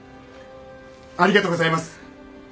ありがとうございます！